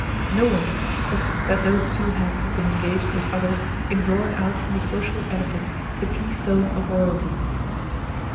No one could suspect that those two hands had been engaged with others in drawing out from the social edifice the keystone of royalty.